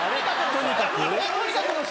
とにかくの人。